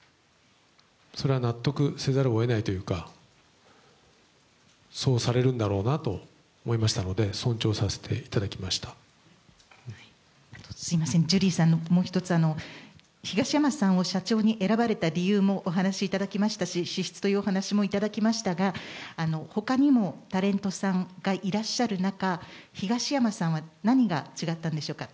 それは納得せざるをえないというかそうされるんだろうなと思いましたのでジュリーさん、もう一つ、東山さんを新社長に選ばれた理由もお話しいただきましたし、資質というお話もいただきましたが、他にもタレントさんがいらっしゃる中、東山さんは何が違ったんでしょうか？